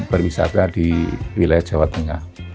berwisata di wilayah jawa tengah